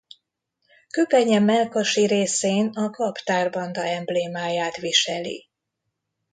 Köpenye mellkasi részén a Kaptár Banda emblémáját viseli.